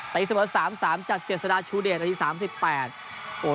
ตายเสมอสามสามจากเจษฐาชุเดชอาทิตย์สามสิบแปด